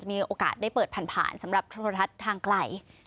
มีโอกาสได้เปิดผ่านสำหรับโทรทัศน์ทางไกล